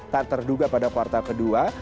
tak terduga pada kuartal kedua